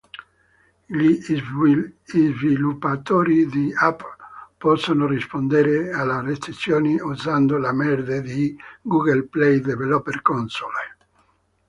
Gli sviluppatori di app possono rispondere alle recensioni usando Google Play Developer Console.